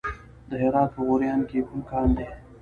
د هرات په غوریان کې کوم کان دی؟